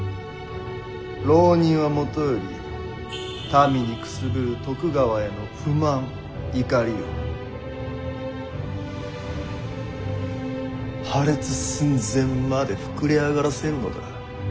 浪人はもとより民にくすぶる徳川への不満怒りを破裂寸前まで膨れ上がらせるのだ。